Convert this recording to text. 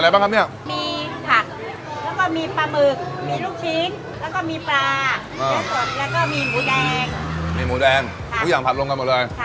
แล้วก็มีปลาแล้วก็มีหมูแดงมีหมูแดงทุกอย่างผัดลงกันหมดเลย